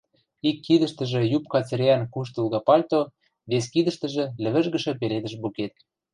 Ик кидӹштӹжӹ – юбка цӹреӓн куштылгы пальто, вес кидӹштӹжӹ – лӹвӹжгӹшӹ пеледӹш букет.